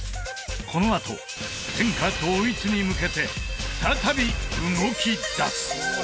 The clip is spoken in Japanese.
このあと天下統一に向けて再び動きだす！